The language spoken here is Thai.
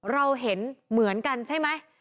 เราเห็นเหมือนกันใช่ไหม